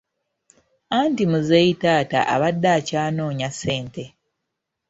Anti muzeeyi taata abadde akyanoonya ssente.